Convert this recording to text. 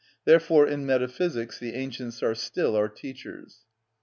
Therefore in metaphysics the ancients are still our teachers.